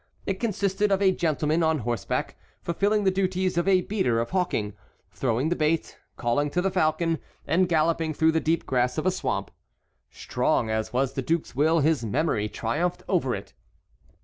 It consisted of a gentleman on horseback fulfilling the duties of a beater of hawking, throwing the bait, calling to the falcon, and galloping through the deep grass of a swamp. Strong as was the duke's will, his memory triumphed over it.